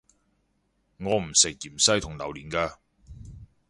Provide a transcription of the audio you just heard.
我唔食芫茜同榴連架